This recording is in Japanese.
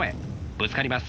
ぶつかります。